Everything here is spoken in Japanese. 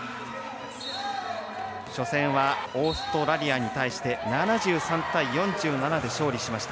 初戦はオーストラリアに対して７３対４７で勝利しました。